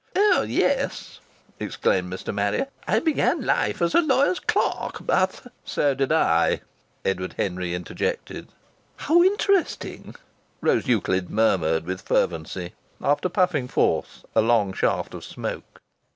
"Eho yes!" exclaimed Mr. Marrier. "I began life as a lawyah's clerk, but " "So did I," Edward Henry interjected. "How interesting!" Rose Euclid murmured with fervency, after puffing forth a long shaft of smoke.